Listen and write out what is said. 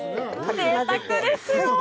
ぜいたくですよ。